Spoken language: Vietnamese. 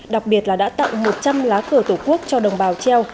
đặc biệt là đã tặng một trăm linh lá cờ tổ quốc cho đồng bào treo